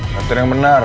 nyetir yang benar